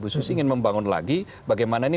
bu susi ingin membangun lagi bagaimana ini